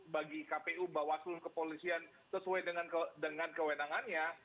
bagi kpu bawaslu kepolisian sesuai dengan kewenangannya